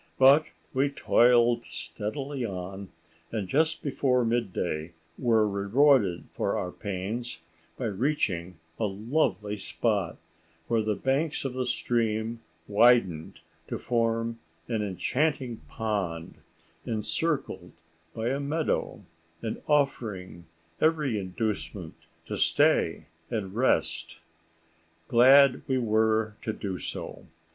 But we toiled steadily on, and just before mid day were rewarded for our pains by reaching a lovely spot, where the banks of the stream widened to form an enchanting pond encircled by a meadow, and offering every inducement to stay and rest. Glad were we to do so.